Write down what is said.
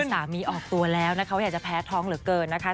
สามีออกตัวแล้วนะคะว่าอยากจะแพ้ท้องเหลือเกินนะคะ